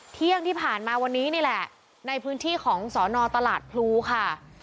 เที่ยงที่ผ่านมาวันนี้นี่แหละในพื้นที่ของสอนอตลาดพลูค่ะ